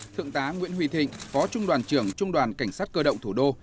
thượng tá nguyễn huy thịnh phó trung đoàn trưởng trung đoàn cảnh sát cơ động thủ đô